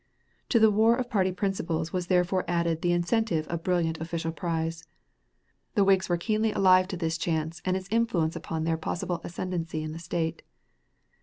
To the war of party principles was therefore added the incentive of a brilliant official prize. The Whigs were keenly alive to this chance and its influence upon their possible ascendency in the State.